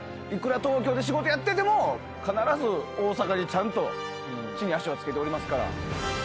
いくら東京で仕事やってても必ず大阪にちゃんと地に足を着けておりますから。